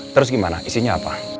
terus gimana isinya apa